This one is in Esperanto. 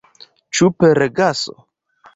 Ĉu per gaso?